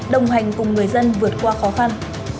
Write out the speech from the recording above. đồng hành cùng người dân vượt qua khó khăn